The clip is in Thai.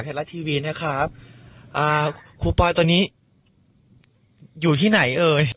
ก็ต้องเข้าใจเนอะส่วนสังคมออนไลน์